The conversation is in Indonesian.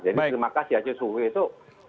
jadi terima kasih haji suwi itu